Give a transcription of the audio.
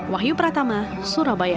wahyu pratama surabaya